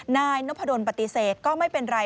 นายนพดลปฏิเสธก็ไม่เป็นไร